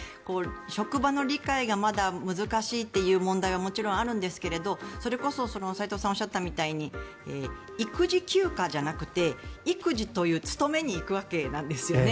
職場の理解がまだ難しいという問題はもちろんあるんですけどそれこそ斎藤さんがおっしゃったみたいに育児休暇じゃなくて育児という勤めに行くわけなんですよね。